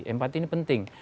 empati ini penting